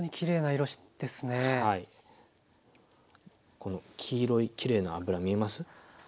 この黄色いきれいな油見えます？